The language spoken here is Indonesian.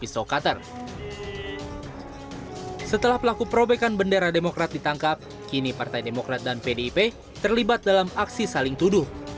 setelah pelaku perobekan bendera demokrat ditangkap kini partai demokrat dan pdip terlibat dalam aksi saling tuduh